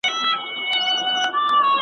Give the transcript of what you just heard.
زمري وخوړم کولمې یووړې ګیدړي .